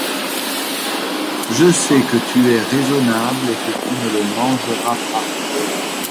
Je sais que tu es raisonnable, que tu ne le mangeras pas.